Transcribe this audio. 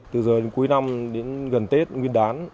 từ giờ đến cuối năm đến gần tết nguyên đán